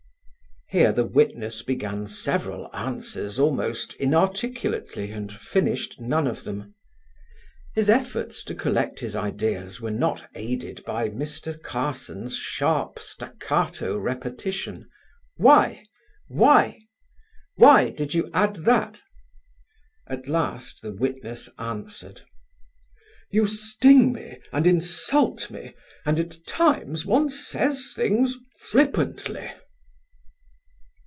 (Here the witness began several answers almost inarticulately and finished none of them. His efforts to collect his ideas were not aided by Mr. Carson's sharp staccato repetition: "Why? why? why did you add that?") At last the witness answered: "You sting me and insult me and at times one says things flippantly."